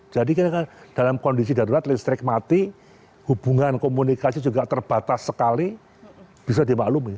jadi dalam kondisi darurat listrik mati hubungan komunikasi juga terbatas sekali bisa dimaklumi